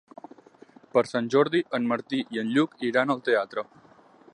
Per Sant Jordi en Martí i en Lluc iran al teatre.